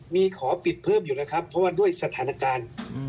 มีขอปิดเพิ่มอยู่แล้วครับเพราะว่าด้วยสถานการณ์